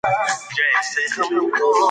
هلمند سیند د افغانستان د اجتماعي جوړښت برخه ده.